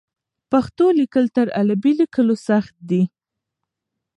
پښتو لیکل تر عربي لیکلو سخت دي.